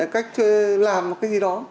cách làm một cái gì đó